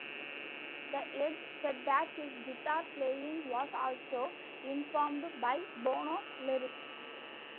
The Edge said that his guitar playing was also informed by Bono's lyrics.